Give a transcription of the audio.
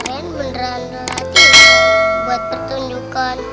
saya beneran berhati hati buat pertunjukan